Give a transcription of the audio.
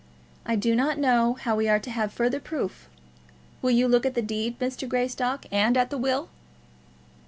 I do not know how we are to have further proof. Will you look at the deed, Mr. Greystock, and at the will?"